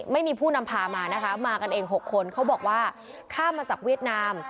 ไม่มีผู้นำพามานะคะมากันเอง๖คนเขาบอกว่าข้ามมาจากเวียดนาม